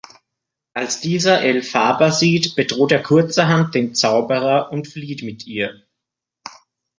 Als dieser Elphaba sieht, bedroht er kurzerhand den Zauberer und flieht mit ihr.